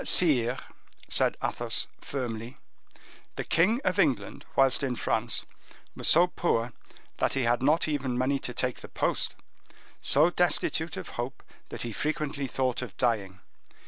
"Sire," said Athos, firmly, "the king of England, whilst in France, was so poor that he had not even money to take the post; so destitute of hope that he frequently thought of dying.